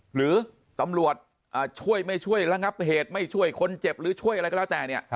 หรือตำรวจช่วยไม่ช่วยระงับเหตุไม่ช่วยคนเจ็บหรือช่วยอะไรก็แล้วแต่เนี่ย